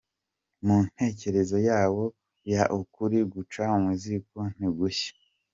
Mu ntekerezo yawo ya ‘Ukuri guca mu ziko ntigushya.